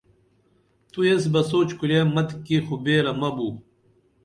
تو ایس بہ سوچ کُرے متِکی خو بیرہ مہ بو